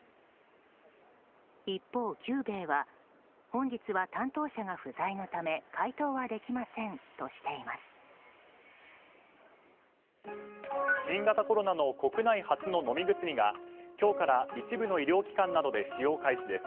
一方、久兵衛は本日は担当者が不在のため回答はできませんとしています。